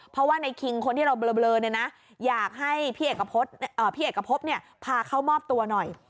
เพราะว่านายคิงคนที่เราเบลออยากให้พี่เอกกระพบพาเข้ามอบตัวหน่อย